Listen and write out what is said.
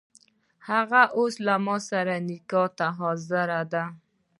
هغه اوس له ماسره نکاح ته حاضره ده.